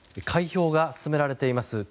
開票が進められています